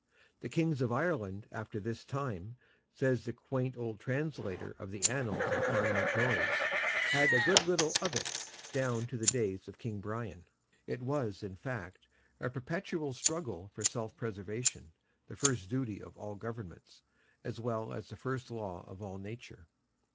The kings of Ireland after this time, says the quaint old translator of the Annals of Clonmacnoise, "had little good of it," down to the days of King Brian. It was, in fact, a perpetual struggle for self preservation—the first duty of all governments, as well as the first law of all nature.